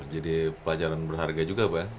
jadi pelajaran berharga juga pak ya